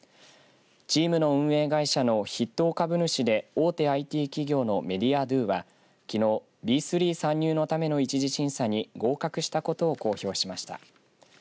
チームの運営会社の筆頭株主で大手ＩＴ企業のメディアドゥは、きのうＢ３参入のための１次審査に合格したことを公表しました。